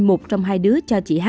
một trong hai đứa cho chị h